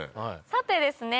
さてですね